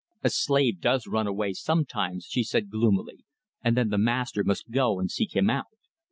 "A slave does run away sometimes," she said, gloomily, "and then the master must go and seek him out."